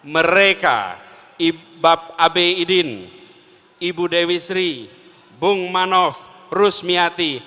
mereka bapak abe idin ibu dewi sri bung manof rusmiati